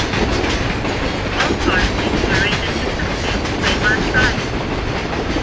Both horses were ridden to success by Matt Ryan.